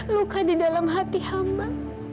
luka di dalam hati hamba